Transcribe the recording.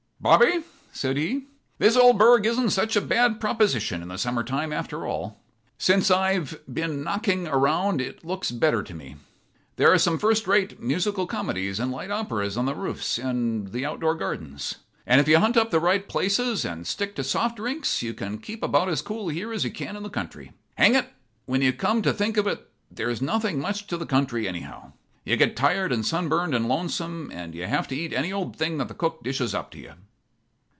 "Bobby," said he, "this old burg isn't such a bad proposition in the summer time, after all. Since I've keen knocking around it looks better to me. There are some first rate musical comedies and light operas on the roofs and in the outdoor gardens. And if you hunt up the right places and stick to soft drinks, you can keep about as cool here as you can in the country. Hang it! when you come to think of it, there's nothing much to the country, anyhow. You get tired and sunburned and lonesome, and you have to eat any old thing that the cook dishes up to you."